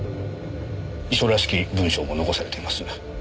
遺書らしき文書も残されています。